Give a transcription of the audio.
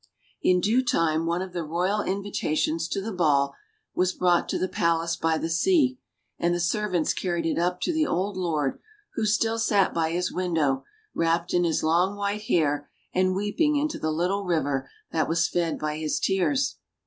In due time one of the royal invitations to the ball was brought to the Palace by the sea, and the servants carried it up to the old lord, who still sat by his window, wrapped in his long white hair and weeping into the little river that was fed by his tears.